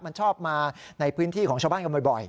มันชอบมาในพื้นที่ของชาวบ้านกันบ่อย